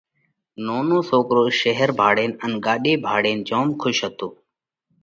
نونو سوڪرو شير ڀاۯينَ ان ڳاڏي ڀاۯينَ جوم کُش هتو۔